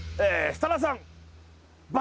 設楽さん爆